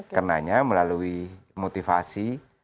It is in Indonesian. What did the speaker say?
kerenanya melalui motivasi